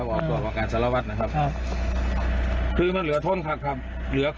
พนักถึงรอบอย่างเป็นสนุก